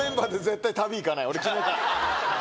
俺決めた。